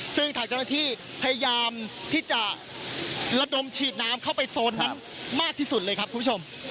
ซึ่งทางเจ้าหน้าที่พยายามที่จะระดมฉีดน้ำเข้าไปโซนนั้นมากที่สุดเลยครับคุณผู้ชม